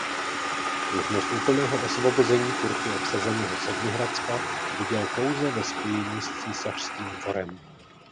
Možnost úplného osvobození Turky obsazeného Sedmihradska viděl pouze ve spojení s císařským dvorem.